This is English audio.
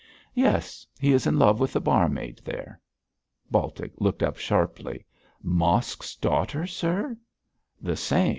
'Yes; he is in love with the barmaid there.' Baltic looked up sharply. 'Mosk's daughter, sir?' 'The same.